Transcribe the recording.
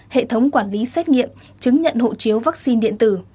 hệ thống quản lý xét nghiệm chứng nhận hộ chiếu vaccine điện tử